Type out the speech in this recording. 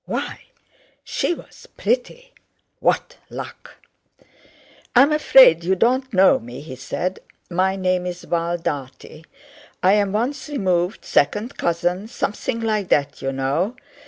Why, she was pretty! What luck! "I'm afraid you don't know me," he said. "My name's Val Dartie—I'm once removed, second cousin, something like that, you know.